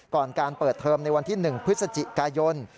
ก่อนการเปิดเทอมในวันที่๑พฤศจิกายน